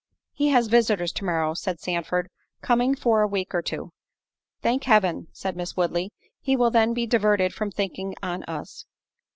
"He has visitors to morrow," said Sandford, "coming for a week or two." "Thank Heaven," said Miss Woodley, "he will then be diverted from thinking on us."